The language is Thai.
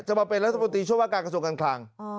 มาเป็นรัฐมนตรีช่วยว่าการกระทรวงการคลัง